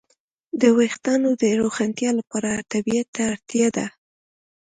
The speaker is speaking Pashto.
د وېښتیانو د روښانتیا لپاره طبيعت ته اړتیا ده.